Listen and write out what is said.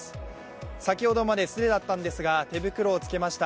先ほどまで素手だったんですが手袋をつけました。